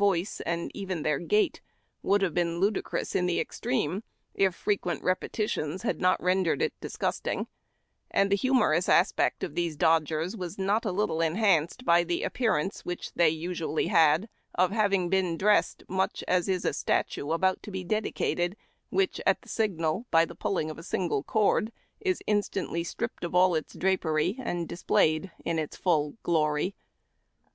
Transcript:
voice and even their gait would have been ludicrous in the extreme, if frequent repetitions had not rendered it disgust ing ; and the humorous aspect of these dodgers was not a little eidianced by the appearance which they usually had of having been dressed much as is a statue about to be dedi cated, which, at the signal, by the pulling of a single cord, is instantly strip})ed of all its drapery and displayed in its full glor}